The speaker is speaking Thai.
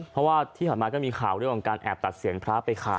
เพราะว่าที่ผ่านมาก็มีข่าวเรื่องของการแอบตัดเสียงพระไปขาย